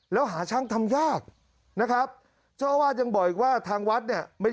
แล้วหาช่างทำยากนะครับเจ้าอาวาสยังบอกอีกว่าทางวัดเนี่ยไม่